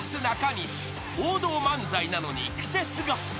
［王道漫才なのにクセスゴ］